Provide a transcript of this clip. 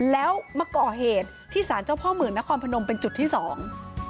แล้วมาก่อเหตุที่สารเจ้าพ่อเมืองนครพนมเป็นจุดที่สอง